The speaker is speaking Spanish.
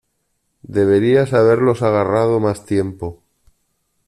Deberías haberlos agarrado más tiempo.